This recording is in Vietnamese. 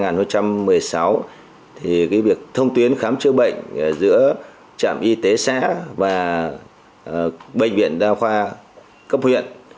năm hai nghìn một mươi sáu việc thông tuyến khám chữa bệnh giữa trạm y tế xã và bệnh viện đa khoa cấp huyện